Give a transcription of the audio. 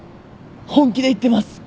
本気で言ってます！